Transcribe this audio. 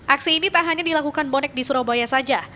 aksi ini tak hanya dilakukan bonek di surabaya saja